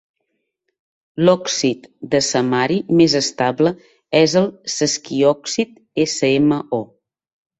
L'òxid de samari més estable és el sesquioòxid SmO.